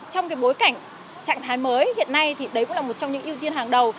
trong cái bối cảnh trạng thái mới hiện nay thì đấy cũng là một trong những ưu tiên hàng đầu